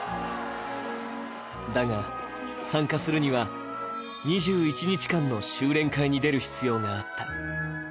だが、参加するには２１日間の修練会に出る必要があった。